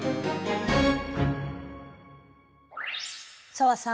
紗和さん